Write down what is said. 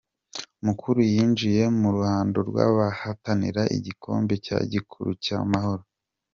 Mukura yinjiye mu ruhando rw’abahatanira igikombe cya gikuru cyamahoro